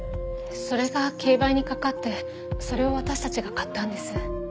それが競売にかかってそれを私たちが買ったんです。